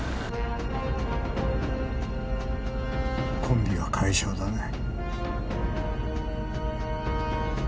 コンビは解消だね？